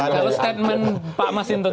kalau statement pak masintun